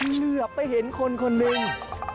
เลือกไปเห็นคนหนึ่ง